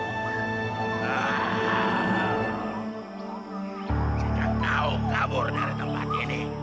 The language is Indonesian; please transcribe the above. jika kau kabur dari tempat ini